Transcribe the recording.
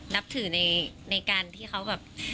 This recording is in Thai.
นับถือในการที่เขาแบบ